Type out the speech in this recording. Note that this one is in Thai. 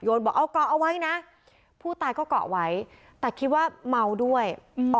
บอกเอาเกาะเอาไว้นะผู้ตายก็เกาะไว้แต่คิดว่าเมาด้วย